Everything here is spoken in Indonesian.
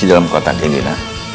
iya pak man